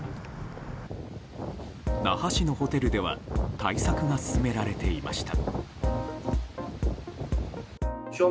那覇市のホテルでは対策が進められていました。